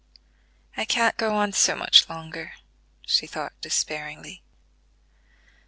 "I can't go on so much longer," she thought despairingly.